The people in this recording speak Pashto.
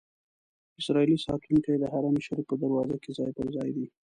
اسرائیلي ساتونکي د حرم شریف په دروازو کې ځای پر ځای دي.